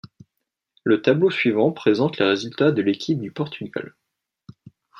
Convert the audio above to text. Le tableau suivant présente les résultats de l'équipe du Portugal.